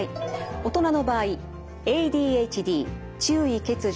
大人の場合ＡＤＨＤ注意欠如